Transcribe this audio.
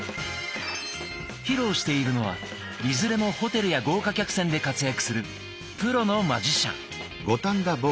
披露しているのはいずれもホテルや豪華客船で活躍するプロのマジシャン。